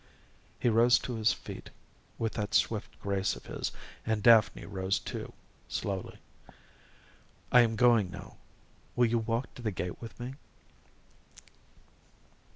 He rose to his feet with that swift grace of his, and Daphne rose too, slowly. "I am going now; will you walk to the gate with me?"